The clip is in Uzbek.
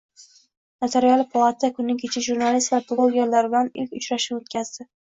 Notarial palata kuni-kecha jurnalist va blogerlar bilan ilk uchrashuvini oʻtkazdi.